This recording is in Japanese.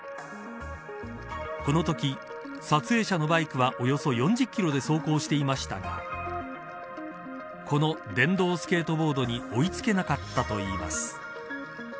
このとき、撮影者のバイクはおよそ４０キロで走行していましたがこの電動スケートボードに追いつけなかったといいます。